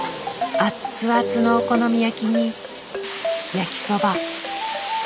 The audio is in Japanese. アッツアツのお好み焼きに焼きそば。